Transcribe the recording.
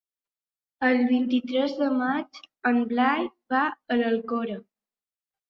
El vint-i-tres de maig en Blai va a l'Alcora.